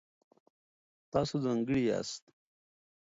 تاسو ځانګړي یاست.